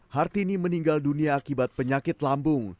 hartini meninggal dunia akibat penyakit lambung